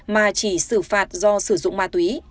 mà chỉ xử phạt do sử dụng mặt